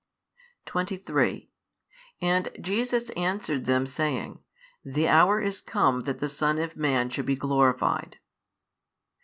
23 And Jesus answered them, saying, The hour is come that the Son of man should be glorified.